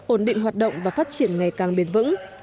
ổn định hoạt động và phát triển ngày càng bền vững